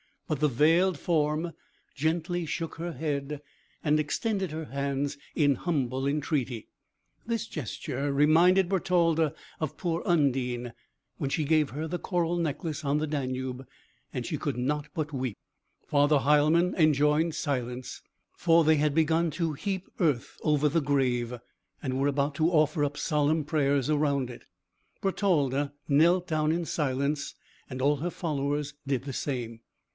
But the veiled form gently shook her head, and extended her hands in humble entreaty; this gesture reminded Bertalda of poor Undine, when she gave her the coral necklace on the Danube, and she could not but weep. Father Heilmann enjoined silence; for they had begun to heap earth over the grave, and were about to offer up solemn prayers around it. Bertalda knelt down in silence, and all her followers did the same.